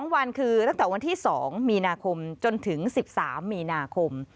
วันคือตั้งแต่วันที่๒มีนาคมจนถึง๑๓มีนาคม